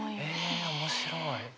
え面白い。